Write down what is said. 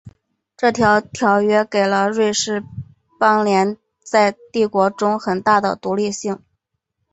这个条约给了瑞士邦联在帝国中的很大的独立性。